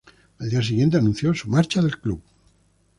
Al día siguiente, anunció su marcha del club.